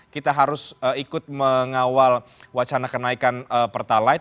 kita harus ikut mengawal wacana kenaikan pertalite